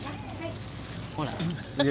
ほら。